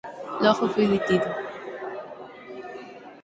Logo foi detido.